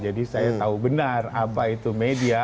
jadi saya tahu benar apa itu media apa itu media